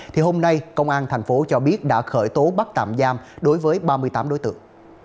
thì hôm nay công an tp cho biết đã khởi tố bắt tạm giam đối với ba mươi tám đối tượng